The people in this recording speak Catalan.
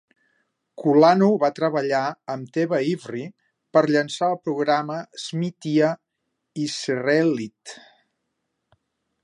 Kulanu va treballar amb Teva Ivri per a llançar el programa Shmita Yisraelit.